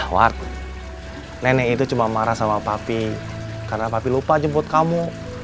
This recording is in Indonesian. war nenek itu cuma marah sama papi karena papi lupa jemput kamu